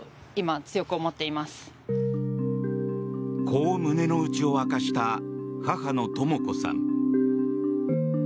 こう胸の内を明かした母のとも子さん。